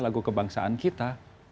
lagu kebangsaan kita